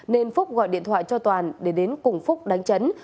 nên phúc gọi điện thoại cho toàn để đến cùng phúc đánh chấn